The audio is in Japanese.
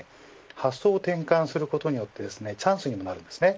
発想を転換することによってチャンスにもなるんですね。